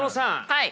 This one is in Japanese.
はい。